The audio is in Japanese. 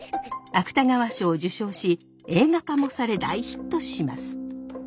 芥川賞を受賞し映画化もされ大ヒットします。